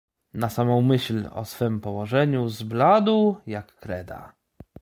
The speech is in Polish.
"Na samą myśl o swem położeniu zbladł, jak kreda."